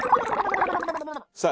さあ